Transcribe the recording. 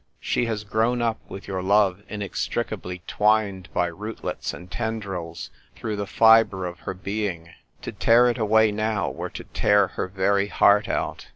She has grown up with your love inextricably twined by rootlets and tendrils through the fibre ol her being ; to tear it away now were to tear her very heart out.